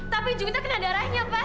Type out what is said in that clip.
tapi juwita kena darahnya pa